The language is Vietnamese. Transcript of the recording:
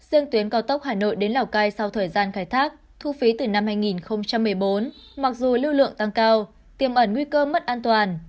riêng tuyến cao tốc hà nội đến lào cai sau thời gian khai thác thu phí từ năm hai nghìn một mươi bốn mặc dù lưu lượng tăng cao tiềm ẩn nguy cơ mất an toàn